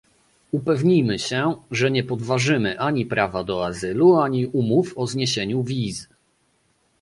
Upewnijmy się, że nie podważymy ani prawa do azylu, ani umów o zniesieniu wiz